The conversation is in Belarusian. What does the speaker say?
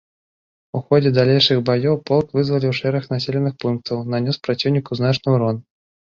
У ходзе далейшых баёў полк вызваліў шэраг населеных пунктаў, нанёс праціўніку значны ўрон.